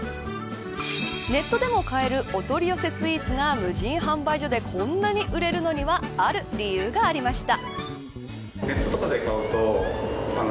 ネットでも買えるお取り寄せスイーツが無人販売所でこんなに売れるのにはある理由がありました。